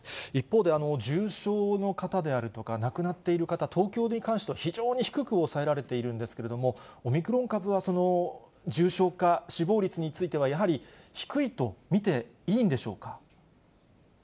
一方で、重症の方であるとか、亡くなっている方、東京に関しては非常に低く抑えられているんですけれども、オミクロン株は重症化、死亡率については、やはり低いと見ていいんでしょうか。